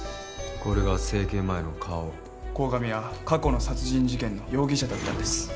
これが整形前の顔鴻上は過去の殺人事件の容疑者だったんです